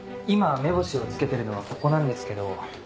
今目星を付けてるのはここなんですけど。